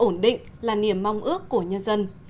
ổn định là niềm mong ước của nhân dân